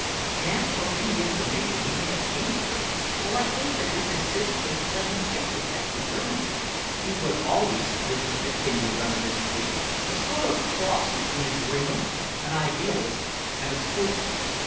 And as for any information he may have gained here, well, I think that we can safely let him take it back to Germany." "He was always," Richard continued reminiscently, "a sort of cross between a dreamer, an idealist, and a sportsman.